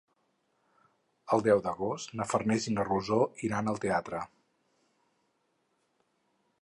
El deu d'agost na Farners i na Rosó iran al teatre.